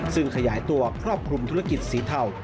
ซึ่งขยายตัวครอบคลุมธุรกิจสีเทา